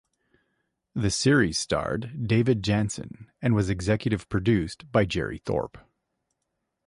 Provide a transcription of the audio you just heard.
The series starred David Janssen and was executive produced by Jerry Thorpe.